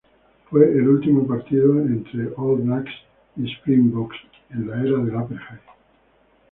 Fue el último partido entre All Blacks y Springboks en la era del apartheid.